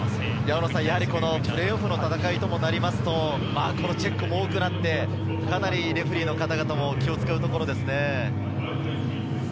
プレーオフの戦いともなるとチェックも多くなって、レフェリーの方々も気を使うところですね。